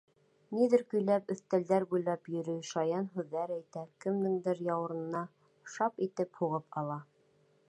Ниҙер көйләп, өҫтәлдәр буйлап йөрөй, шаян һүҙҙәр әйтә, кемдеңдер яурынына шап итеп һуғып ала.